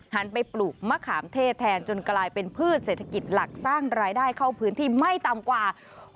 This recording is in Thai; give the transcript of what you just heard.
หันไปปลูกมะขามเทศแทนจนกลายเป็นพืชเศรษฐกิจหลักสร้างรายได้เข้าพื้นที่ไม่ต่ำกว่า